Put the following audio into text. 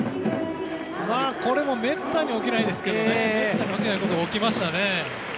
これもめったに起きないですがめったに起きないことが起きましたね。